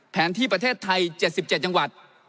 ที่ประเทศไทย๗๗จังหวัด